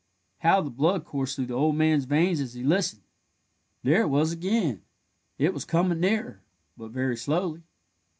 How the blood coursed through the old man's veins as he listened! There it was again. It was coming nearer, but very slowly.